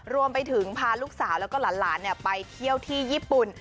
พาลูกสาวแล้วก็หลานไปเที่ยวที่ญี่ปุ่น